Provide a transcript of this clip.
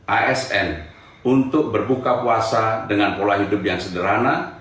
asn untuk berbuka puasa dengan pola hidup yang sederhana